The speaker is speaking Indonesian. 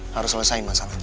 harus selesai masalahnya